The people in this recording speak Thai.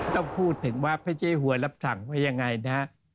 ต้องพูดถึงว่าพระเจ้าหวยรับสั่งว่ายังไงนะฮะ